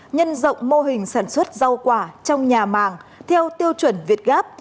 nhân rộng mô hình sản xuất rau quả trong nhà màng theo tiêu chuẩn việt gáp